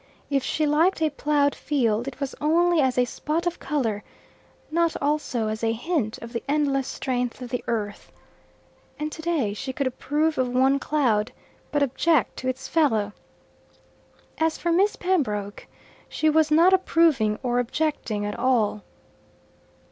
If she liked a ploughed field, it was only as a spot of colour not also as a hint of the endless strength of the earth. And today she could approve of one cloud, but object to its fellow. As for Miss Pembroke, she was not approving or objecting at all.